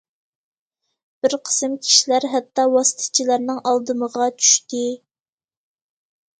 بىر قىسىم كىشىلەر ھەتتا ۋاسىتىچىلەرنىڭ ئالدىمىغا چۈشتى.